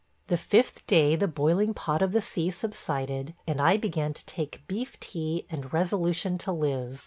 The fifth day the boiling pot of the sea subsided, and I began to take beef tea and resolution to live.